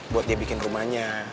buat dia bikin rumahnya